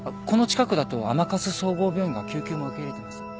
この近くだと甘春総合病院が救急も受け入れてます。